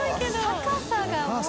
高さがもう。